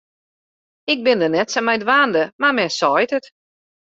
Ik bin dêr net sa mei dwaande, mar men seit it.